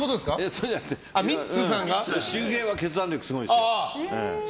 そうじゃなくて修平は決断力すごいんですよ。